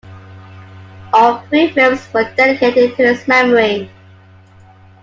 All three films were dedicated to his memory.